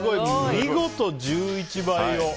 見事１１倍を。